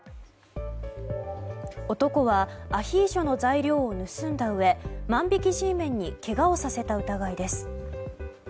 男はアヒージョの材料を盗んだうえ万引きＧメンにけがをさせた疑いです。